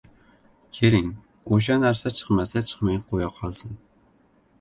— Keling, o‘sha narsa chiqmasa chiqmay qo‘ya qolsin.